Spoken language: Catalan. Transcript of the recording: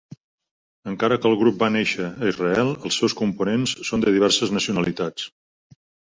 Encara que el grup va néixer a Israel els seus components són de diverses nacionalitats.